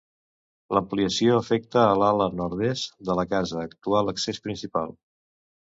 L'ampliació afecta l'ala nord-est de la casa, actual accés principal.